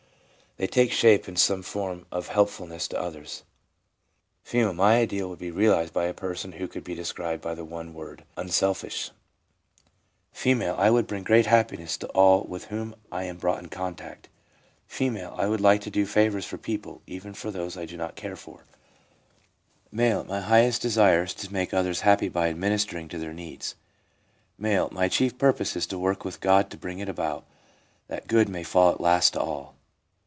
They take shape in some form of helpfulness to others. F. * My ideal would be realised by a person who could be described by the one word unselfish' F. ' I would bring great happiness to all with whom I am brought in contact/ F. ' I would like to do favours for people, even those I do not care for/ M. ' My highest desire 342 THE PSYCHOLOGY OF RELIGION is to make others happy by administering to their needs.' M. ' My chief purpose is to work with God to bring it about that "good may fall at last to all."